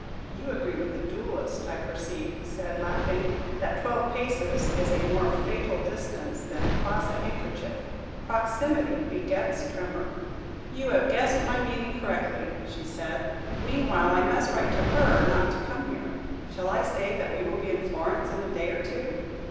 "You agree with the duellist, I perceive," said he, laughing, "that twelve paces is a more fatal distance than across a handkerchief: proximity begets tremor." "You have guessed my meaning correctly," said she; "meanwhile, I must write to her not to come here. Shall I say that we will be in Florence in a day or two?"